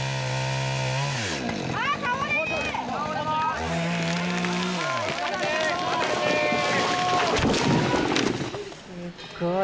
すっごい。